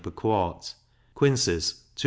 per quart; quinces 2s.